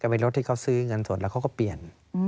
เป็นรถที่เขาซื้อเงินสดแล้วเขาก็เปลี่ยน